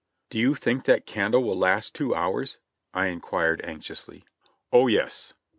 "Do you think that candle will last two hours?" I inquired anxiously. "Oh, yes.